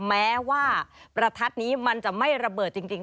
แม้ว่าประทัดนี้มันจะไม่ระเบิดจริง